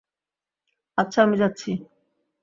আচ্ছা আমি যাচ্ছি।